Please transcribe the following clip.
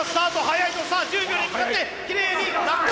さあ１０秒に向かってきれいに落下。